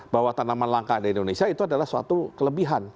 bahwa tanaman langka ada di indonesia itu adalah suatu kelebihan